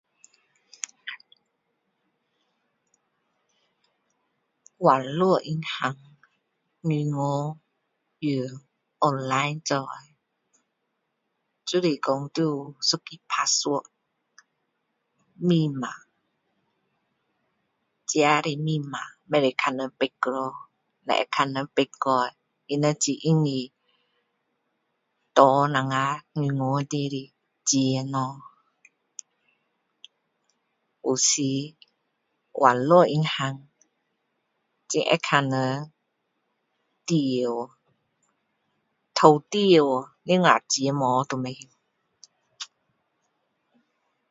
网络银行银行用online做就是说要有一个password密码自己的密码不可以给人知道咯给人知道他们很容易拿我们银行里面的钱咯有时网络银行会被人进去偷进掉等下几时钱不见掉都不知道